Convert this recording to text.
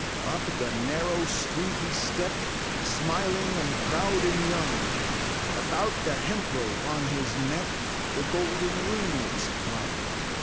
Up the narrow street he steppedj Smiling and proud and young ; About the hemp rope on his neck The golden ringlets clung.